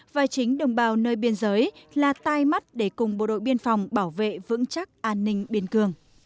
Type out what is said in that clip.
và chính đồng bào nơi biên giới là tai mắt để cùng bộ đội biên phòng bảo vệ vững chắc an ninh biên cương